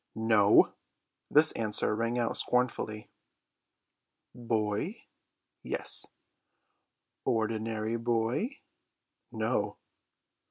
"No!" This answer rang out scornfully. "Boy?" "Yes." "Ordinary boy?" "No!"